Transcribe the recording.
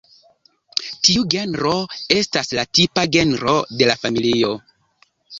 Tiu genro estas la tipa genro de la familio.